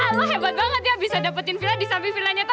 wah lo hebat banget ya bisa dapetin villa disamping villa nyata